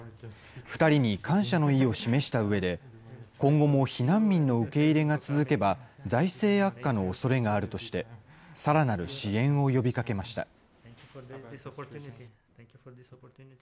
２人に感謝の意を示したうえで、今後も避難民の受け入れが続けば、財政悪化のおそれがあるとして、さらなる支援を呼びかけました。